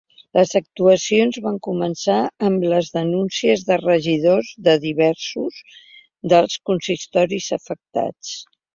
Les actuacions van començar en les denúncies de regidors de diversos dels consistoris afectats.